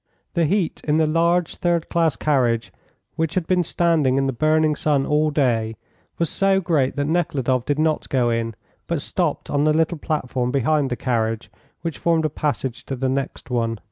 The heat in the large third class carriage, which had been standing in the burning sun all day, was so great that Nekhludoff did not go in, but stopped on the little platform behind the carriage which formed a passage to the next one.